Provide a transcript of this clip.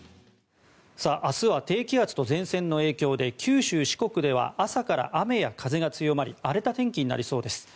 明日は低気圧と前線の影響で九州・四国では朝から雨や風が強まり荒れた天気になりそうです。